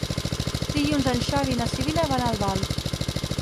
Dilluns en Xavi i na Sibil·la van a Albal.